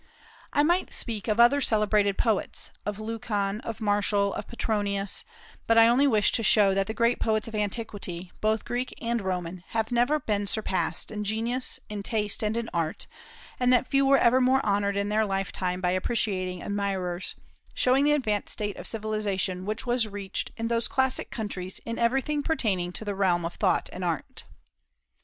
I might speak of other celebrated poets, of Lucan, of Martial, of Petronius; but I only wish to show that the great poets of antiquity, both Greek and Roman, have never been surpassed in genius, in taste, and in art, and that few were ever more honored in their lifetime by appreciating admirers, showing the advanced state of civilization which was reached in those classic countries in everything pertaining to the realm of thought and art.